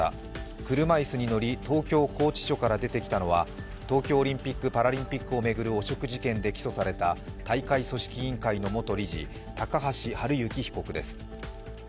車いすに乗り東京拘置所から出てきたのは東京オリンピック・パラリンピックを巡る汚職事件で逮捕された大会組織委員会の元理事、高橋治之被告です。